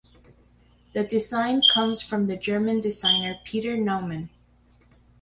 The design comes from the German designer Peter Naumann.